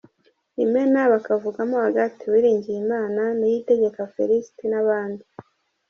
Imena: bakavugamo Agathe Uwiringiyimana, Niyitegeka Félicité,..